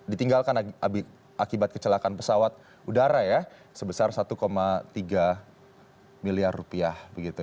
ditinggalkan akibat kecelakaan pesawat udara ya sebesar satu tiga miliar rupiah